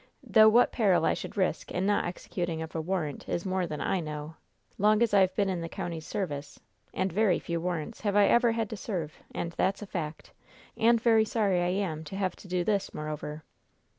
Though what peril I should risk in not executing of a warrant is more than I know, long as I have been in the county's service; and very few warrants have I ever had to serve, and that's a fact; and very sorry I am to have to do this, moreover."